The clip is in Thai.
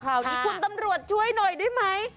ข่าวนี้คุณตำรวจช่วยหน่อยได้ไหม